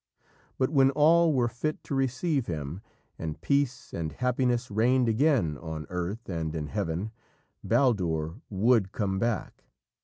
But when all were fit to receive him, and peace and happiness reigned again on earth and in heaven, Baldur would come back.